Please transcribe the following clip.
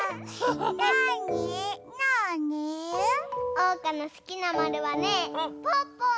おうかのすきなまるはねぽぅぽ！